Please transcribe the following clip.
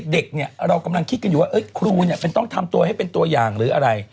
เด็กเนี่ยเรากำลังคิดกันอยู่ว่าครูต้องทำตัวให้เป็นตัวอย่างหรืออะไร